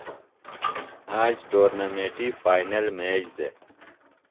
آج ٹورنامنٹی فائنل میچ دےۡ۔